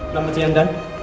nama si endan